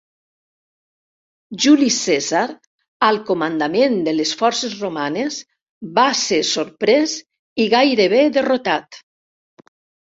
Juli Cèsar, al comandament de les forces romanes, va ser sorprès i gairebé derrotat.